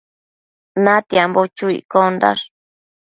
Natiambo chu iccondash